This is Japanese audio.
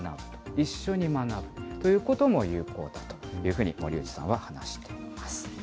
一緒に学ぶということも有効だというふうに森内さんは話しています。